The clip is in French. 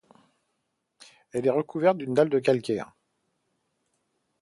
Elle est recouverte d'une dalle de calcaire.